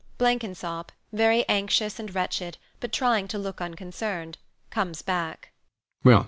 Blenkinsop, very anxious and wretched, but trying to look unconcerned, comes back.